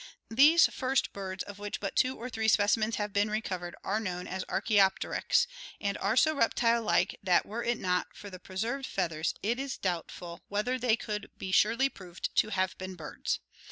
These first birds, of which but two or three specimens have been recovered, are known as Arckaopteryx (see Fig. 87 and PI. XIV) and are so reptile tike that were it not for the preserved feathers it is doubtful 362 ORGANIC EVOLUTION whether they could be surely proved to have been birds.